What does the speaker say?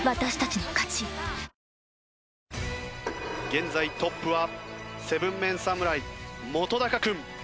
現在トップは７ＭＥＮ侍本君。